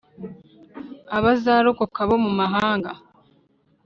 abazarokoka bo mu mahanga